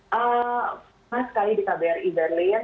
pernah sekali di kbri berlin